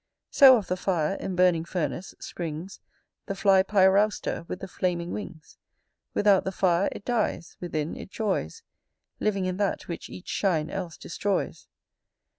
So of the fire, in burning furnace, springs The fly Pyrausta with the flaming wings: Without the fire, it dies: within it joys, Living in that which each shine else destroys.